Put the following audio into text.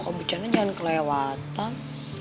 oh jangan kelewatan